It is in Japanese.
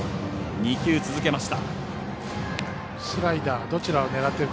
３球続けました。